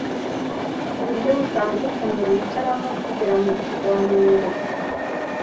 uburyo butandukanye bicaramo kugira ngo ikiganiro